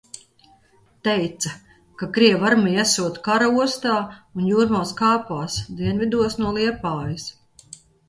Teica, ka krievu armija esot Kara ostā un jūrmalas kāpās, dienvidos no Liepājas.